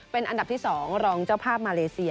เป็นอันดับที่๒รองเจ้าภาพมาเลเซีย